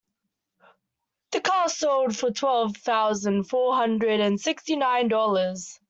The car sold for twelve thousand four hundred and sixty nine dollars.